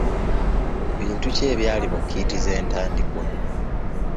Bintu ki ebyali mu kiiti z'entandikwa?